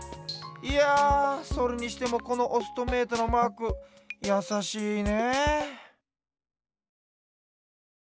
いやそれにしてもこのオストメイトのマークやさしいね。